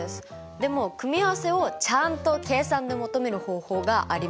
でも組合せをちゃんと計算で求める方法がありますよ。